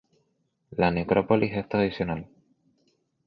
La necrópolis es tradicional.